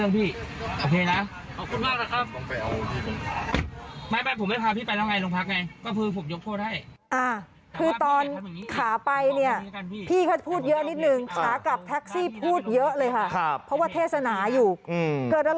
พี่แต่ผมจะก่อยพี่ไปผมไม่เอาผมไม่เอาเรื่องพี่